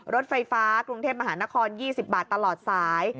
รถไฟฟ้ากรุงเทพมหานคร๒๐บาทตลอดสาย